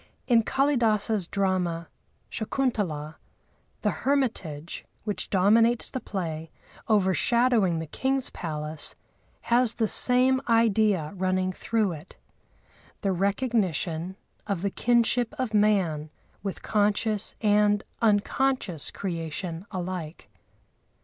In Kâlidâsa's drama, Shakuntalâ, the hermitage, which dominates the play, overshadowing the king's palace, has the same idea running through it—the recognition of the kinship of man with conscious and unconscious creation alike.